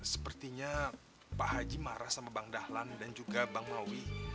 sepertinya pak haji marah sama bang dahlan dan juga bang maulawi